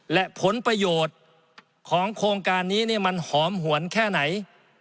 และผลประโยชน์ของโครงการนี้มันหอมหวนแค่ไหน